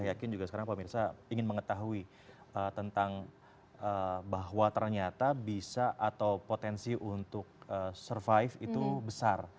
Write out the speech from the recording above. saya yakin juga sekarang pemirsa ingin mengetahui tentang bahwa ternyata bisa atau potensi untuk survive itu besar